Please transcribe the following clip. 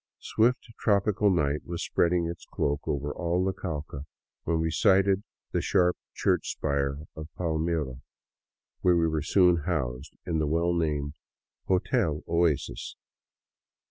Swift tropical night was spread ing its cloak over all the Cauca when we sighted the sharp church spire of Palmira, where we were soon housed in the well named '' Hotel Oasis."